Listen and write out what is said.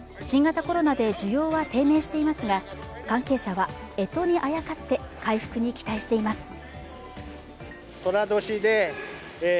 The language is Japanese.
新型コロナで需要は低迷していますが、関係者は、えとにあやかって回復に期待しています。